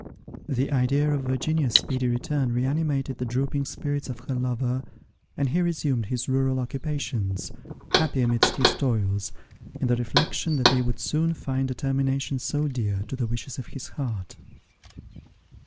The idea of Virginia's speedy return reanimated the drooping spirits of her lover, and he resumed his rural occupations, happy amidst his toils, in the reflection that they would soon find a termination so dear to the wishes of his heart.